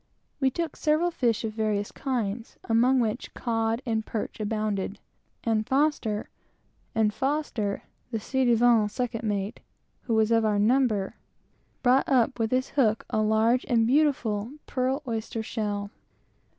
We took several fish of various kinds, among which cod and perch abounded, and F , (the ci devant second mate,) who was of our number, brought up with his hook a large and beautiful pearl oyster shell.